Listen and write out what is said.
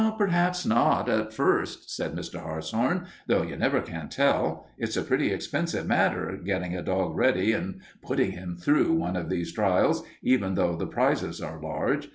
"Perhaps not, at first," said Mr. Hartshorn, "though you never can tell. It's a pretty expensive matter, getting a dog ready and putting him through one of those trials, even though the prizes are large.